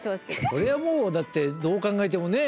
これはもうだってどう考えてもね？